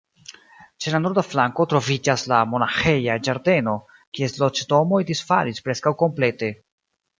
Ĉe la norda flanko troviĝas la monaĥeja ĝardeno, kies loĝdomoj disfalis preskaŭ komplete.